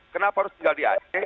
kenapa harus tinggal di aceh